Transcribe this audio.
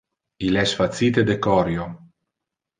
Il es facite de corio.